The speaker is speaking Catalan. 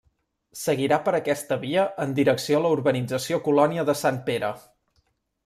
Seguirà per aquesta via en direcció a la urbanització Colònia de Sant Pere.